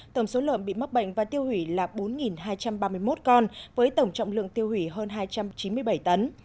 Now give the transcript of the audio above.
tổng số lợn bị mắc bệnh và tiêu hủy là bốn hai trăm ba mươi một con với tổng trọng lượng tiêu hủy hơn hai trăm chín mươi bảy tấn